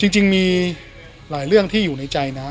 จริงมีหลายเรื่องที่อยู่ในใจนะ